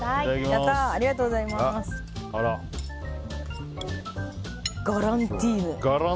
ガランティーヌ。